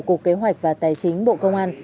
cục kế hoạch và tài chính bộ công an